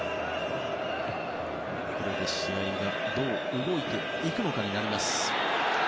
これで試合がどう動いていくのかになります。